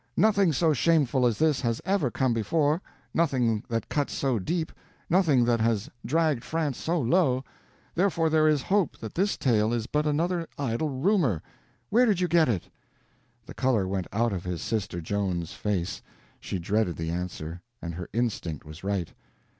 Nothing so shameful as this has ever come before, nothing that cuts so deep, nothing that has dragged France so low; therefore there is hope that this tale is but another idle rumor. Where did you get it?" The color went out of his sister Joan's face. She dreaded the answer; and her instinct was right.